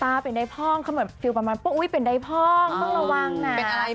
ตาเป็นใดพร่องเขาเหมือนฟิลล์ประมาณปุ๊บอุ๊ยเป็นใดพร่องต้องระวังนะ